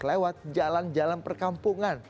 lewat jalan jalan perkampungan